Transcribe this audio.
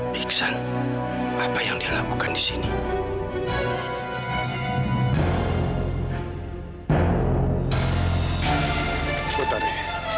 bisa gawat kalau tau tau dia tanya utari